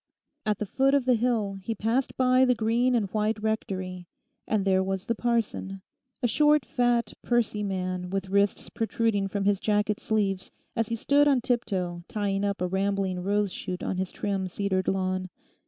At the foot of the hill he passed by the green and white Rectory, and there was the parson, a short fat, pursy man with wrists protruding from his jacket sleeves as he stood on tip toe tying up a rambling rose shoot on his trim cedared lawn.